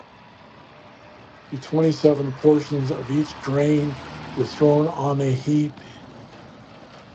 The twenty-seven portions of each grain were thrown on a heap.